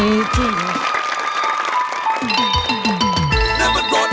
เออใช่รถมหาสนุก